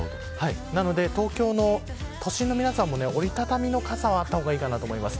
なので東京の都心の皆さんも折り畳みの傘はあった方がいいかなと思います。